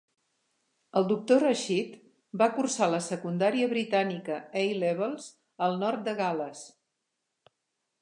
El doctor Rashid va cursar la secundària britànica "A-Levels" al nord de Gal·les.